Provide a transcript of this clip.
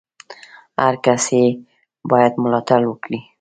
هر کس ئې بايد ملاتړ وکي!